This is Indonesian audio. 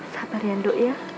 sabar ya tondo